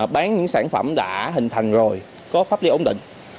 bán những sản phẩm đã hình thành rồi có pháp lý ổn định